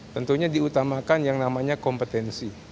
tentunya diutamakan yang namanya kompetensi